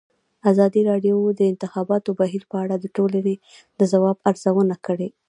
ازادي راډیو د د انتخاباتو بهیر په اړه د ټولنې د ځواب ارزونه کړې.